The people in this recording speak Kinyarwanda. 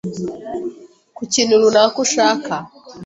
ku kintu runaka ushaka